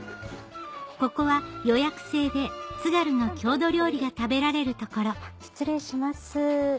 ここは予約制で津軽の郷土料理が食べられる所失礼します。